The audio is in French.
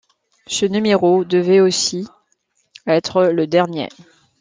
Ce numéro devait aussi être le dernier.